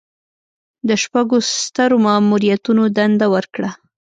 د شپږو سترو ماموریتونو دنده ورکړه.